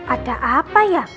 ada apa ya